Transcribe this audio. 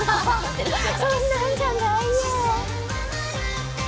そんなんじゃないよ。